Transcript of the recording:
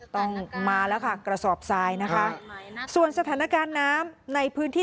ต้องมาแล้วค่ะกระสอบทรายนะคะส่วนสถานการณ์น้ำในพื้นที่